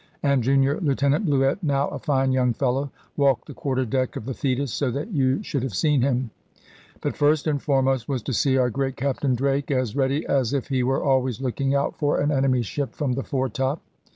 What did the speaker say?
And junior Lieutenant Bluett, now a fine young fellow, walked the quarter deck of the Thetis, so that you should have seen him. But first and foremost was to see our great Captain Drake; as ready as if he were always looking out for an enemy's ship from the foretop.